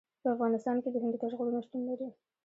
په افغانستان کې د هندوکش غرونه شتون لري.